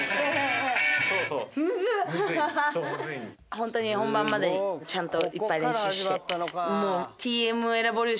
ホントに本番までちゃんといっぱい練習して。